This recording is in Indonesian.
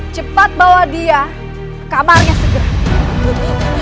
cepat bawa dia kamarnya segera